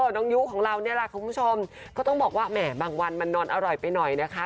ยุของเรานี่แหละคุณผู้ชมก็ต้องบอกว่าแหมบางวันมันนอนอร่อยไปหน่อยนะคะ